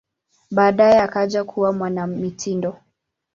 Baadaye akaja kuwa mwanamitindo.